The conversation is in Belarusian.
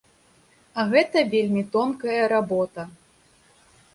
А гэта вельмі тонкая работа.